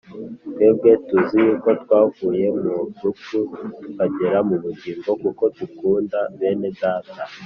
Twebwe tuzi yuko twavuye mu rupfu tukagera mu bugingo, kuko dukunda bene Data.